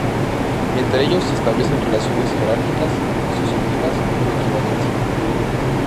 Entre ellos se establecen relaciones jerárquicas, asociativas y de equivalencia".